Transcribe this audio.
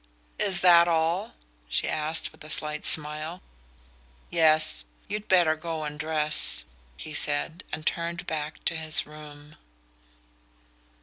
"Is that all?" she asked with a slight smile. "Yes; you'd better go and dress," he said, and turned back to his room.